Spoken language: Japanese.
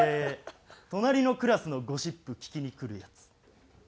「隣のクラスのゴシップ聞きに来るヤツ」。